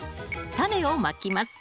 タネをまきます